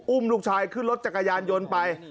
ลูกชายขึ้นรถจักรยานยนต์ไป